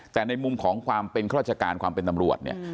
แต่ในมุมของความเป็นข้าราชการความเป็นตำรวจเนี่ย